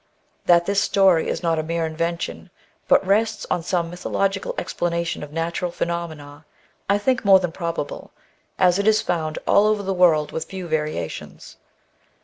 That this story is not a mere invention, hut rests on some mythological explanation of natural phenomena, I think more than probable, as it is found all over the ■world with few variations.